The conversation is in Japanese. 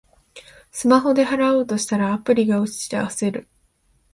スマホで払おうとしたら、アプリが落ちて焦る